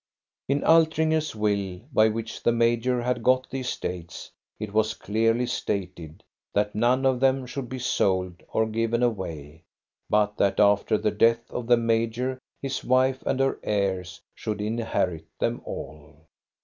In Altringer's will, by which the major had got the estates, it was clearly stated that none of them should be sold or given away, but that after the death of the major his wife and her heirs should inherit them all.